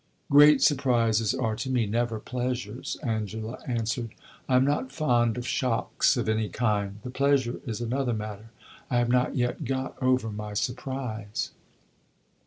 "Great surprises are to me never pleasures," Angela answered; "I am not fond of shocks of any kind. The pleasure is another matter. I have not yet got over my surprise."